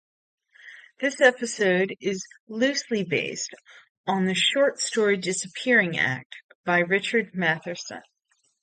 This episode is loosely based on the short story "Disappearing Act" by Richard Matheson.